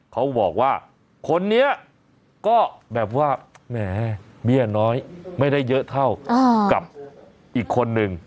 เขาบอกว่าคนนี้ก็แบบว่าแหมเบี้ยน้อยไม่ได้เยอะเท่ากับอีกคนนึง